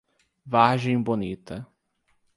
Vargem Bonita